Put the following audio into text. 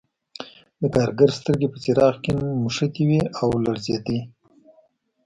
د کارګر سترګې په څراغ کې نښتې وې او لړزېده